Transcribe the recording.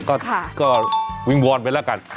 ก็วิงวอนไปแล้วกัน